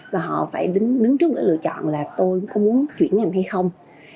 và họ phải đứng trước để lựa chọn là tôi có muốn chuyển ngành hay không